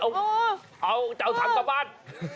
อ้าวเอาถังกลับบ้าน